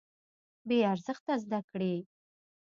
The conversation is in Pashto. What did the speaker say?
بې ارزښته زده کړې.